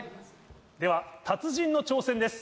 では達人の挑戦です。